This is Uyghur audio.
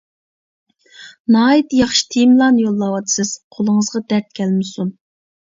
ناھايىتى ياخشى تېمىلارنى يوللاۋاتىسىز، قولىڭىزغا دەرد كەلمىسۇن!